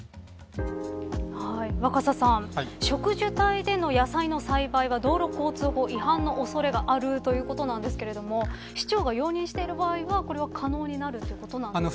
若狭さん、植樹帯での野菜の栽培は、道路交通法違反の恐れがあるということですが市長が容認している場合は可能になるということですか。